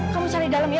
kamu cari dalam ya